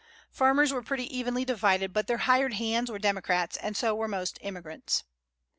Farmers were pretty evenly divided; but their "hired hands" were Democrats, and so were most immigrants.